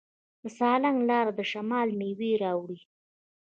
د سالنګ لاره د شمال میوې راوړي.